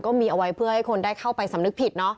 ก็มีเอาไว้เพื่อให้คนได้เข้าไปสำนึกผิดเนอะ